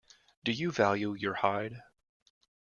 Do you value your hide.